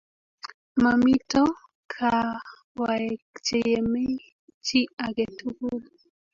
Mamito kaawaek che yemei chi age tugul